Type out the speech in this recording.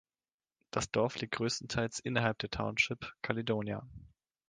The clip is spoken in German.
Das Dorf liegt größtenteils innerhalb der Township Caledonia.